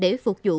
để phục vụ